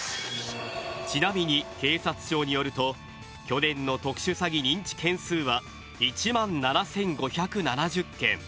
ちなみに警察庁によると去年の特殊詐欺認知件数は１万７５７０件。